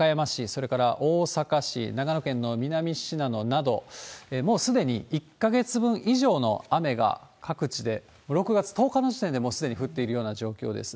それから大阪市、長野県の南信濃など、もうすでに１か月分以上の雨が各地で、６月１０日の時点でもうすでに降っているような状況です。